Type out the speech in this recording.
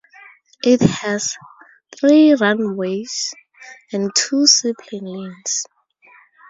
It has three runways and two seaplane lanes.